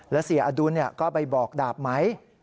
และเสียอดุลก็ไปบอกดาบไหม